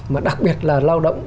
mà đặc biệt là lao động